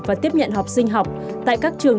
và tiếp nhận học sinh học tại các trường